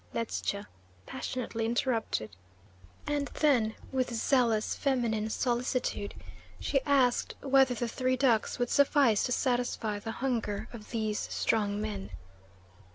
Ledscha passionately interrupted, and then, with zealous feminine solicitude, she asked whether the three ducks would suffice to satisfy the hunger of these strong men.